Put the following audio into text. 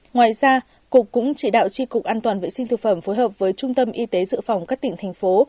ngoài ra cục cũng chỉ đạo tri cục an toàn vệ sinh thực phẩm phối hợp với trung tâm y tế dự phòng các tỉnh thành phố